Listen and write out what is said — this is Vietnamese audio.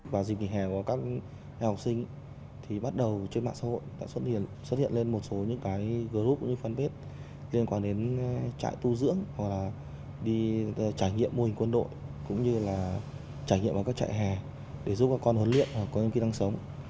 vào dịp nghỉ hè của các em học sinh thì bắt đầu trên mạng xã hội đã xuất hiện xuất hiện lên một số những cái group như fanpage liên quan đến trại tu dưỡng hoặc là đi trải nghiệm mô hình quân đội cũng như là trải nghiệm vào các trại hè để giúp các con huấn luyện hoặc có những kỹ năng sống